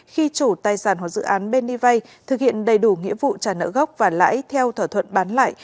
khi chủ tài sản hoặc dự án bên đi vay thực hiện đầy đủ nghĩa vụ trả nợ gốc và lãi theo thỏa thuận bán lại